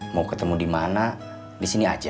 mau ketemu di mana di sini aja